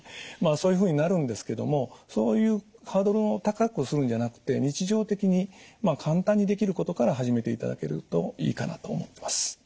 そういうふうになるんですけどもそういうハードルを高くするんじゃなくて日常的に簡単にできることから始めていただけるといいかなと思ってます。